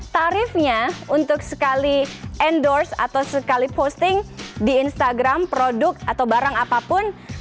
tarifnya untuk sekali endorse atau sekali posting di instagram produk atau barang apapun